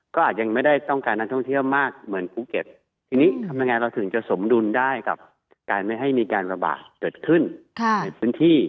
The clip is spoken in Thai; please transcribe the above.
ก็อาจจะไม่ได้ต้องการนักท่องเที่ยวมากเหมือนภูเก็ตทีนี้ทำยังไงเราถึงจะสมดุลได้กับการไม่ให้มีการระบาดเกิดขึ้นในพื้นที่